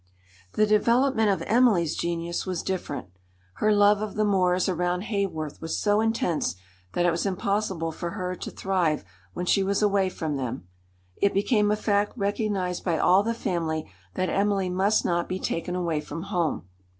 The development of Emily's genius was different. Her love of the moors around Haworth was so intense that it was impossible for her to thrive when she was away from them. It became a fact recognised by all the family that Emily must not be taken away from home.